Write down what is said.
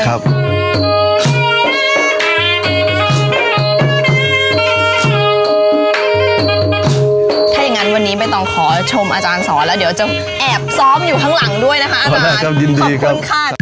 ถ้าอย่างนั้นวันนี้ใบตองขอชมอาจารย์สอนแล้วเดี๋ยวจะแอบซ้อมอยู่ข้างหลังด้วยนะคะอาจารย์ขอบคุณค่ะ